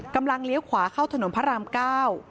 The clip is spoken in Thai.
เลี้ยวขวาเข้าถนนพระรามเก้า